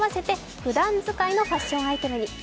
ふだん使いのファッションアイテムに。